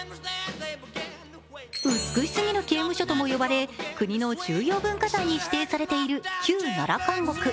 美しすぎる刑務所とも呼ばれ、国の重要文化財に指定されている旧奈良監獄。